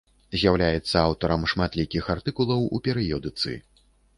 З'яўляецца аўтарам шматлікіх артыкулаў у перыёдыцы.